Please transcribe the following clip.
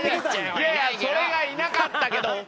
いやいやそれがいなかったけど。